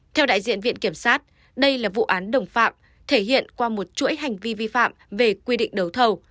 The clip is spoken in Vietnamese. theo đại diện viện kiểm sát đây là vụ án đồng phạm thể hiện qua một chuỗi hành vi vi phạm về quy định đấu thầu